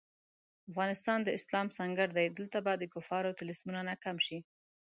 افغانستان د اسلام سنګر دی، دلته به د کفارو طلسمونه ناکام شي.